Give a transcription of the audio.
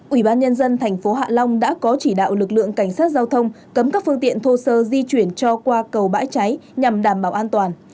ủy ban nhân dân thành phố hạ long đã có chỉ đạo lực lượng cảnh sát giao thông cấm các phương tiện thô sơ di chuyển cho qua cầu bãi cháy nhằm đảm bảo an toàn